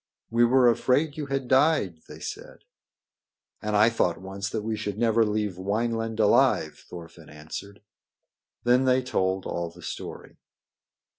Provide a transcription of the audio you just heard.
"We were afraid you had died," they said. "And I thought once that we should never leave Wineland alive," Thorfinn answered. Then they told all the story.